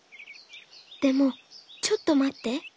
でもちょっとまって。